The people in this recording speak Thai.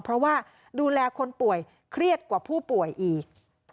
เพราะว่าดูแลคนป่วยเครียดกว่าผู้ป่วยอีก